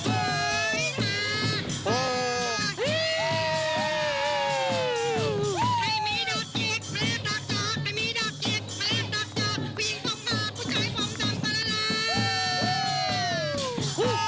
อ๊อโอโอโอโอโอโอโอโอโอโอโอโอโอโอโอ